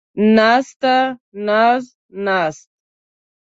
ناسته ، ناز ، ناست